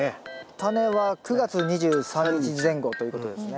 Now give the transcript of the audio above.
タネは９月２３日前後ということですね。